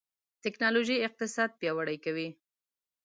ټکنالوژي اقتصاد پیاوړی کوي.